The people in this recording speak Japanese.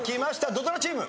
土ドラチーム。